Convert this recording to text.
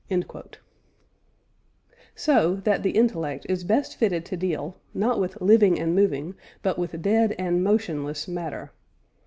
" So that the intellect is best fitted to deal, not with living and moving, but with dead and motionless matter.